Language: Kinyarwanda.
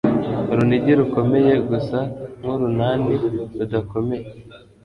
Urunigi rukomeye gusa nkurunani rudakomeye.